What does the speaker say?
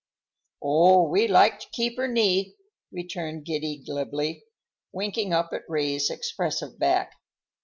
"Oh, we like to keep her neat," returned Giddy glibly, winking up at Ray's expressive back.